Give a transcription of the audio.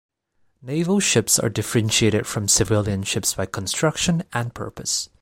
Naval ships are differentiated from civilian ships by construction and purpose.